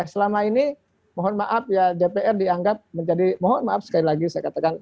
selama ini mohon maaf ya dpr dianggap menjadi mohon maaf sekali lagi saya katakan